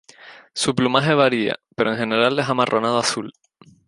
Su plumaje varía pero en general es amarronado-azul.